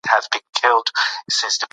د پرېکړو وضاحت ستونزې کموي